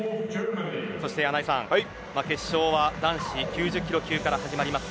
穴井さん決勝は男子９０キロ級から始まります。